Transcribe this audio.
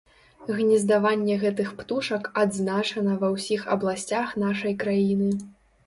Гнездаванне гэтых птушак адзначана ва ўсіх абласцях нашай краіны.